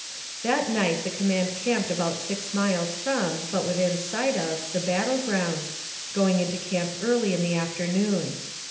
That night the command camped about six miles from, but within sight of, the battle ground, going into camp early in the afternoon.